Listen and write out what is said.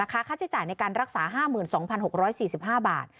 ค่าใช้จ่ายในการรักษา๕๒๖๔๕บาท